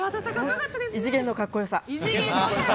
異次元のかっこよさ。